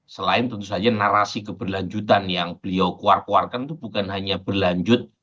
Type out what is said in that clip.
selain tentu saja narasi keberlanjutan yang beliau keluar keluarkan itu bukan hanya berlanjut